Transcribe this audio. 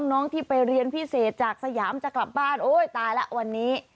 น้องที่ไปเรียนพิเศษจากสยามจะกลับบ้านโอ้ยตายแล้ววันนี้